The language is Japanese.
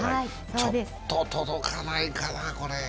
ちょっと届かないかな、これ。